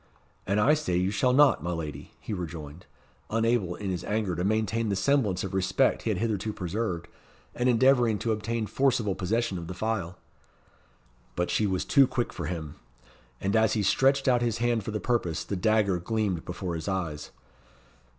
"And I say you shall not, my lady," he rejoined, unable in his anger to maintain the semblance of respect he had hitherto preserved, and endeavouring to obtain forcible possession of the phial. But she was too quick for him. And as he stretched out his hand for the purpose, the dagger gleamed before his eyes.